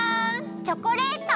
チョコレート！